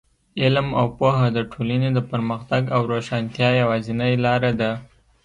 علم او پوهه د ټولنې د پرمختګ او روښانتیا یوازینۍ لاره ده.